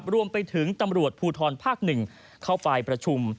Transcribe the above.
รวมไปถึงตำรวจภูทรภาค๑เข้าไปประชุม